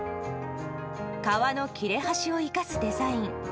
革の切れ端を生かすデザイン。